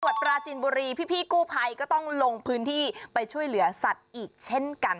ปราจีนบุรีพี่กู้ภัยก็ต้องลงพื้นที่ไปช่วยเหลือสัตว์อีกเช่นกัน